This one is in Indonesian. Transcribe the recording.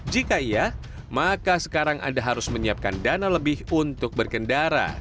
jika iya maka sekarang anda harus menyiapkan dana lebih untuk berkendara